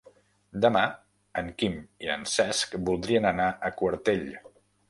Demà en Quim i en Cesc voldrien anar a Quartell.